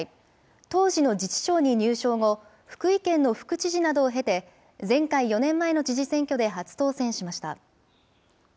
当時の自治省に入省後、福井県の副知事などを経て、前回・４年前の知事選挙で初当選しました。